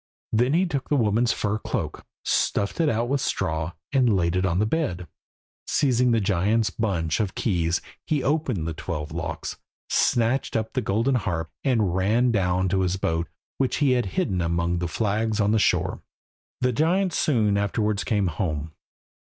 Then he took the woman's fur cloak, stuffed it out with straw, and laid it on the bed. Seizing the giant's bunch of keys, he opened the twelve locks, snatched up the golden harp, and ran down to his boat, which he had hidden among the flags on the shore. The giant soon afterwards came home.